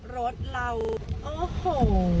รถเราโอ้โห